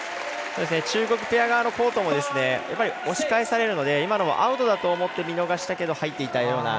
中国ペア側のコートも押し返されるので今のもアウトだと思って見逃したけど、入っていたような。